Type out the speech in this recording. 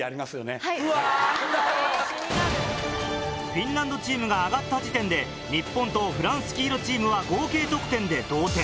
フィンランドチームが上がった時点で日本とフランス黄色チームは合計得点で同点。